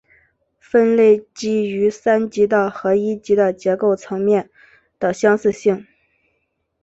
分类基于三级的和一级的结构层面的相似性。